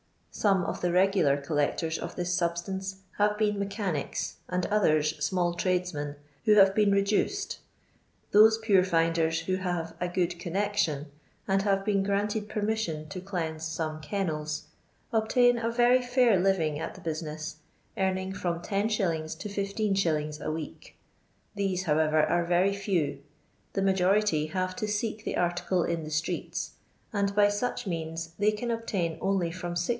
Some of the regular col lectors of this substance have been mechanics, and others small tradesmen, who have been reduced. Those pure finders who have " a good connection," and have been granted permission to cleanse somo kennels, obuin a very fair living at the business, earning from IDs. to 16f. a week. These, how ever, are very few ; the majority have to seek the article in the streets, and by such means they can obtain only from 6s.